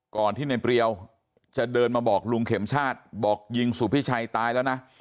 ก่อนที่ในเปรียวจะเดินมาบอกลุงเข็มชาติบอกยิงสุพิชัยตายแล้วนะ